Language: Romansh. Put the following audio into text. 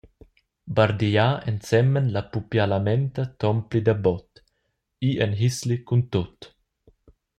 Bardigliar ensemen la pupialamenta ton pli dabot, ir en hisli cuntut.